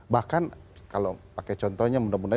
bahkan kalau pakai contohnya